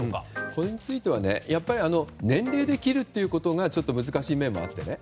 これについては年齢で切るということがちょっと難しい面もあって。